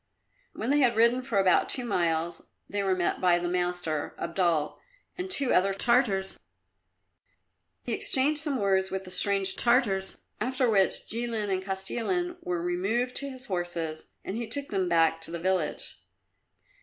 When they had ridden for about two miles they were met by the master, Abdul, and two other Tartars. He exchanged some words with the strange Tartars, after which Jilin and Kostilin were removed to his horses and he took them back to the village.